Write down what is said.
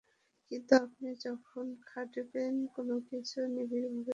কিন্তু আপনি যখন খাটবেন, কোনো কিছু নিবিড়ভাবে চাইবেন, সেটা আপনি পেয়ে যাবেনই।